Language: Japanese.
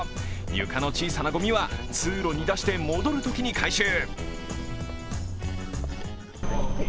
床の小さなごみは通路に出して戻るときに回収。